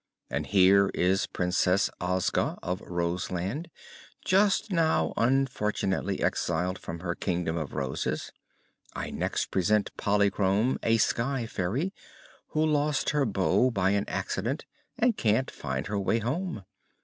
And here is Princess Ozga of Roseland, just now unfortunately exiled from her Kingdom of Roses. I next present Polychrome, a sky fairy, who lost her Bow by an accident and can't find her way home.